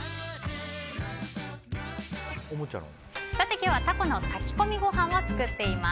今日はタコの炊き込みご飯を作っています。